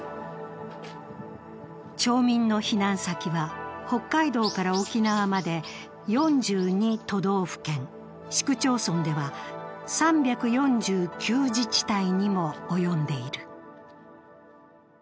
町民の避難先は、北海道から沖縄まで４２都道府県市区町村では３４９自治体にも及んでいる。